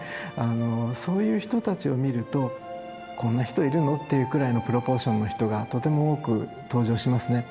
そういう人たちを見るとこんな人いるのっていうくらいのプロポーションの人がとても多く登場しますね。